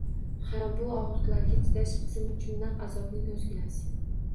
Ha, bu og`riqlarga chidash qizim uchun naq azobning o`zginasi